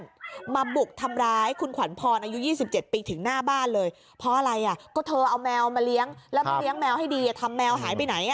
มาบุกทำร้ายคุณขวัญพรอายุ๒๗ปีถึงหน้าบ้านเลยเพราะอะไรอ่ะก็เธอเอาแมวมาเลี้ยงแล้วมาเลี้ยงแมวให้ดีทำแมวหายไปไหน